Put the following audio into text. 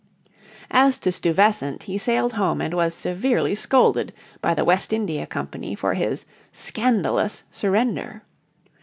As to Stuyvesant, he sailed home and was severely scolded by the West India Company for his "scandalous surrender."